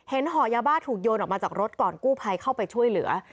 ห่อยาบ้าถูกโยนออกมาจากรถก่อนกู้ภัยเข้าไปช่วยเหลือ